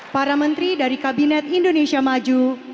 para menteri dari kabinet indonesia maju